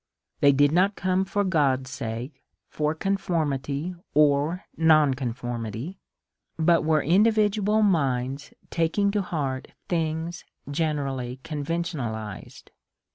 They did not come for God's sake, for conformity or non con formity, but were individual minds taking to heart things generally conventionalized.